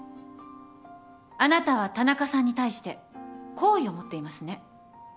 あなたは田中さんに対して好意を持っていますね？